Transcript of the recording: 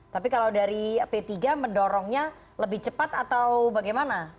tapi kalau dari p tiga mendorongnya lebih cepat atau bagaimana